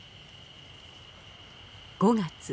５月。